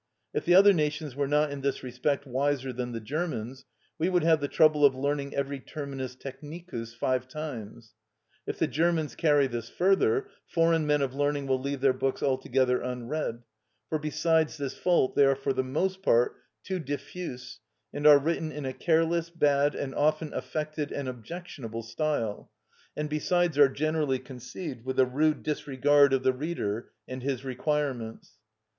If the other nations were not in this respect wiser than the Germans, we would have the trouble of learning every terminus technicus five times. If the Germans carry this further, foreign men of learning will leave their books altogether unread; for besides this fault they are for the most part too diffuse, and are written in a careless, bad, and often affected and objectionable style, and besides are generally conceived with a rude disregard of the reader and his requirements.